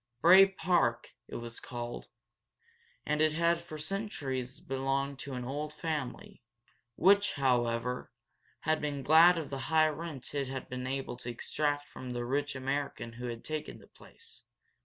Bray Park, it was called, and it had for centuries belonged to an old family, which, however, had been glad of the high rent it had been able to extract from the rich American who had taken the place.